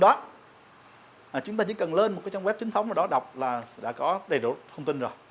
đó chúng ta chỉ cần lên một cái trang web chính thống mà đó đọc là đã có đầy đủ thông tin rồi